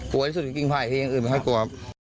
กลัวที่สุดของกลางคืนภายที่ยังอื่นมันค่อยกลัว